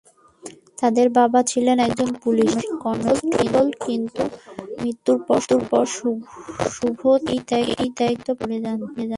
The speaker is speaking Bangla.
তাদের বাবা ছিলেন একজন পুলিশ কনস্টেবল কিন্তু তার মৃত্যুর পরে শুভ এই দায়িত্ব পালন করে যান।